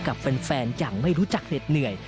กับแฟนอย่างไม่รู้จักเหน็ดเหนื่อย